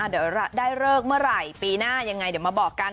เดี๋ยวได้เลิกเมื่อไหร่ปีหน้ายังไงเดี๋ยวมาบอกกัน